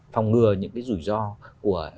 phòng ngừa những cái rủi ro của